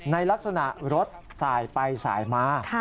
ในลักษณะรถสายไปสายมา